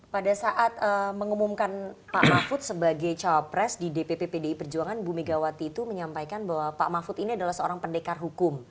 pada saat mengumumkan pak mahfud sebagai cawapres di dpp pdi perjuangan bu megawati itu menyampaikan bahwa pak mahfud ini adalah seorang pendekar hukum